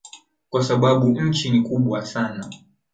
Kwa sababu nchi ni kubwa sana